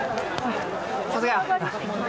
さすが。